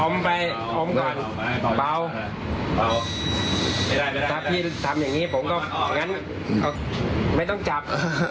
อมไปอมข้างป่าว